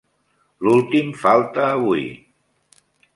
L'últim falta avui.